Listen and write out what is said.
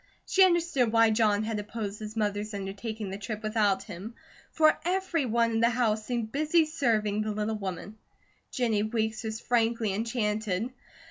She understood why John had opposed his mother's undertaking the trip without him, for everyone in the house seemed busy serving the little woman. Jennie Weeks was frankly enchanted.